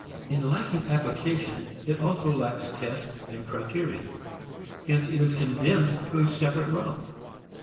In lacking application, it also lacks test, criterion. Hence it is condemned to a separate realm.